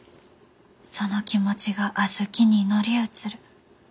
「その気持ちが小豆に乗り移る。